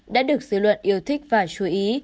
đã được dự luận yêu thích và chú ý